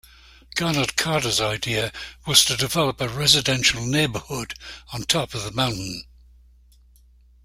Garnet Carter's idea was to develop a residential neighborhood on top of the mountain.